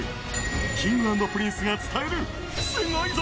Ｋｉｎｇ＆Ｐｒｉｎｃｅが伝える、すごいぞ！